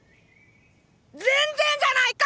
全然じゃないか！